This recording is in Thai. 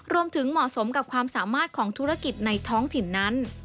รวมถึงเหมาะสมกับความสามารถของธุรกิจในท้องถิ่นนั้น